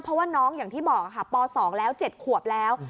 เพราะว่าน้องอย่างที่บอกค่ะป๒แล้ว๗ขวบแล้ว